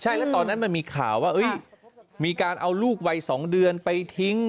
ใช่แล้วตอนนั้นมันมีข่าวว่ามีการเอาลูกวัย๒เดือนไปทิ้ง